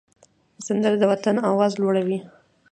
سندره د وطن آواز لوړوي